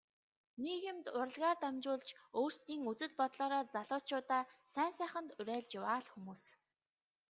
Нийгэмд урлагаар дамжуулж өөрсдийн үзэл бодлоороо залуучуудаа сайн сайханд уриалж яваа л хүмүүс.